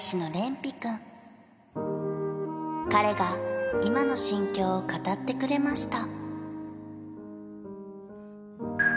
ぴくん彼が今の心境を語ってくれました